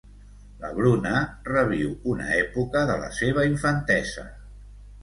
La Bruna reviu una època de la seva infantesa.